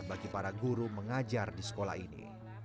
bagi para guru mengajar di sekolah ini